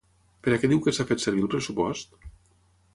Per a què diu que s'ha fet servir el pressupost?